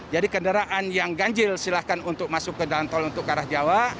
jadi kendaraan yang ganjil silahkan untuk masuk ke dalam tol untuk ke arah jawa